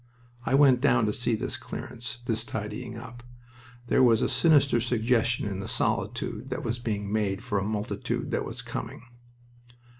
I went down to see this clearance, this tidying up. There was a sinister suggestion in the solitude that was being made for a multitude that was coming.